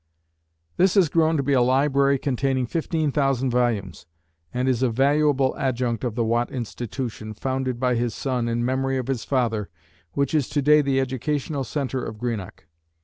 This has grown to be a library containing 15,000 volumes, and is a valuable adjunct of the Watt Institution, founded by his son in memory of his father, which is to day the educational centre of Greenock.